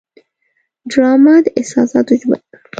ډرامه د احساساتو ژبه ده